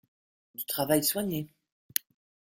Du travail soigné.